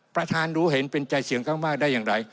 ประธานรู้เห็นเป็นใจเสียงข้างมากได้อย่างไร